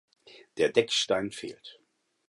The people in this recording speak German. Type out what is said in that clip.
Der Deckstein fehlt.